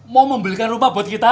mau membelikan rumah buat kita